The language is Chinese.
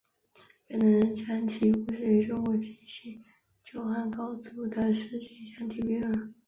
越南人将其故事与中国的纪信救汉高祖的事迹相提并论。